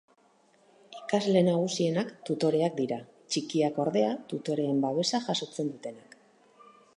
Ikasle nagusienak tutoreak dira, txikiak ordea, tutoreen babesa jasotzen dutenak.